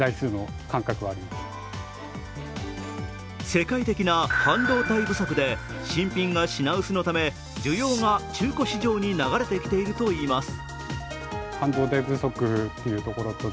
世界的な半導体不足で新品が品薄のため需要が中古市場に流れてきているといいます。